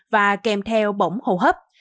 và kèm theo bỏng hồ hấp